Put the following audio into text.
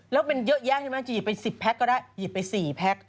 แล้วมันเยอะแยะใช่ไหมจะหยิบไป๑๐แพ็คก็ได้หยิบไป๔แพ็ค